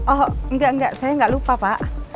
oh enggak enggak saya enggak lupa pak